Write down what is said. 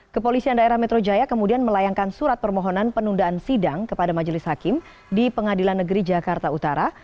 kepolisian daerah metro jaya kemudian melayangkan surat permohonan penundaan sidang kepada majelis hakim di pengadilan negeri jakarta utara